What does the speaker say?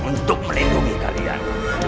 untuk melindungi kalian